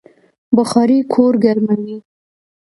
بخارۍ کور ګرموي